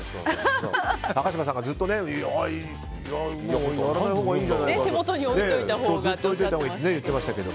高嶋さんがずっと売らないほうがいいんじゃないかって。